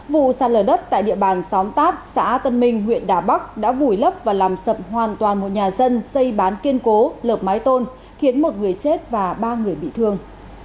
vụ sạt lở đất tại địa bàn xóm tát xã tân minh huyện đà bắc đã vùi lấp và làm sập hoàn toàn một nhà dân xây bán kiên cố lợp mái tôn khiến một người chết và ba người bị thương